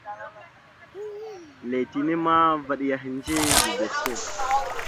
Letine ma, vaɗ ya ehədze ga gosko.